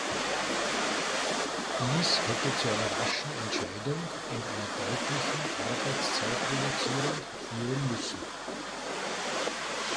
Dies hätte zu einer raschen Entscheidung und einer deutlichen Arbeitszeitreduzierung führen müssen.